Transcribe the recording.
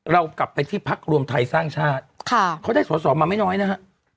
เรากลับไปที่พักรวมไทยสร้างชาติเขาได้สอสอมาไม่น้อยนะฮะ